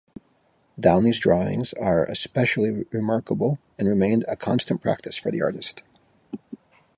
Downey's drawings are especially remarkable and remained a constant practice for the artist.